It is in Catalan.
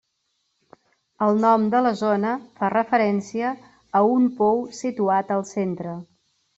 El nom de la zona fa referència a un pou situat al centre.